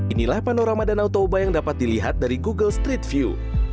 inilah panorama danau toba yang dapat dilihat dari google street view